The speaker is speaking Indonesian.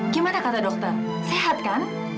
gimana kata dokter sehat kan